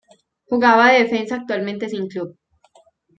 Juega de defensa actualmente sin club.